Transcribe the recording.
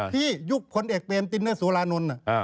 พี่ยุคคนเอกเป็นติดในสุรานนท์น่ะ